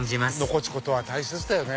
残すことは大切だよね。